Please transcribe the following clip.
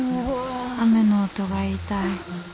雨の音が痛い。